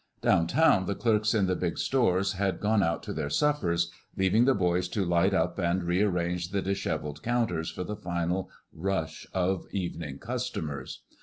Down town the clerks in the big stores had gone out to their suppers, leaving the boys to light up and rearrange the disheveled counters for the final rush of evening customers.